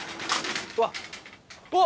うわ。